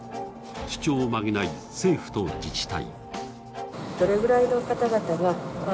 主張を曲げない政府と自治体。